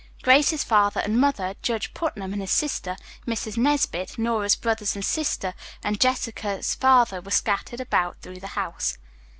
Grace's father and mother, Judge Putnam and his sister, Mrs. Nesbit, Nora's brothers and sister and Jessica's father were scattered about through the house.